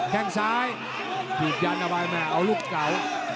แก้งซ้ายพลิกยานวายมาเอาลูกเก่า